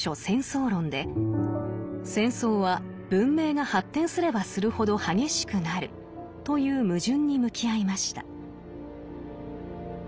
「戦争論」で戦争は文明が発展すればするほど激しくなるという矛盾に向き合いました。